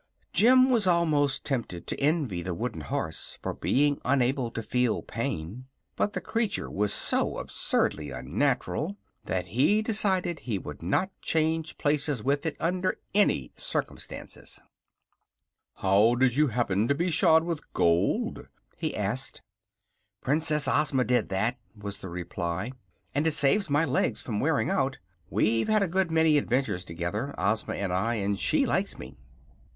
Jim was almost tempted to envy the wooden horse for being unable to feel pain; but the creature was so absurdly unnatural that he decided he would not change places with it under any circumstances. "How did you happen to be shod with gold?" he asked. "Princess Ozma did that," was the reply; "and it saves my legs from wearing out. We've had a good many adventures together, Ozma and I, and she likes me."